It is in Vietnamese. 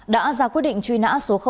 đã ra quyết định truy nã số hai